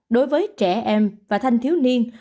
đối với trẻ em và thanh thiếu niên